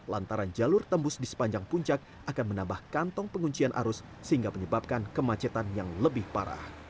lantaran jalur tembus di sepanjang puncak akan menambah kantong penguncian arus sehingga menyebabkan kemacetan yang lebih parah